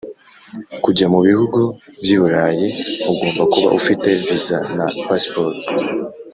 Kujya mu bihugu by’ iburayi ugomba kuba ufite viza na pasiporo